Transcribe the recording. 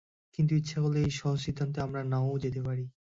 কিন্তু ইচ্ছা করলে এই সহজ সিদ্ধান্তে আমরা না-ও যেতে পারি।